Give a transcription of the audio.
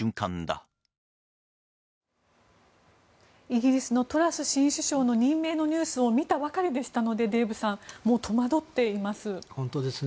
イギリスのトラス新首相の任命のニュースを見たばかりでしたのでデーブさんもう戸惑っています。